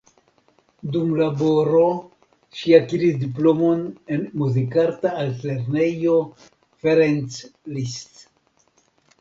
Dum laboro ŝi akiris diplomon en Muzikarta Altlernejo Ferenc Liszt.